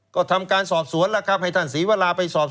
ก็ทำการสอบสวนล่ะครับ